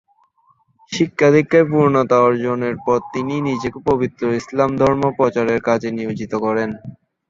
শিক্ষা-দীক্ষায় পূর্ণতা অর্জনের পর তিনি নিজেকে পবিত্র ইসলাম ধর্ম প্রচারের কাজে নিয়োজিত করেন।